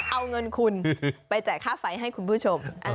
เอาเงินคุณไปจ่ายค่าไฟให้คุณผู้ชม